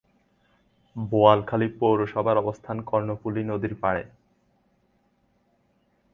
বোয়ালখালী পৌরসভার অবস্থান কর্ণফুলি নদীর পাড়ে।